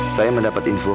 saya mendapat info